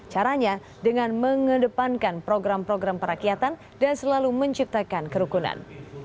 caranya dengan mengedepankan program program perakyatan dan selalu menciptakan kerukunan